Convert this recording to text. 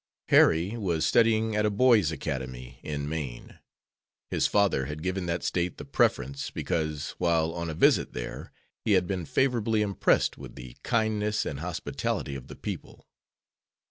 Harry was studying at a boys' academy in Maine. His father had given that State the preference because, while on a visit there, he had been favorably impressed with the kindness and hospitality of the people.